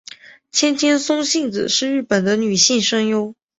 千千松幸子是日本的女性声优。